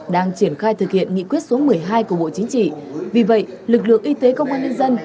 đang triển khai thực hiện nghị quyết số một mươi hai của bộ chính trị vì vậy lực lượng y tế công an nhân dân